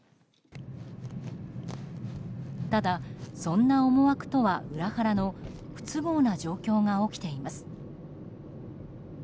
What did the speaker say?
ただ、そんな思惑とは裏腹の不都合な状況が起きています。